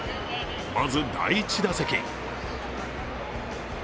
まず第１打席。